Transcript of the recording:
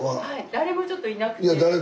誰もちょっといなくて。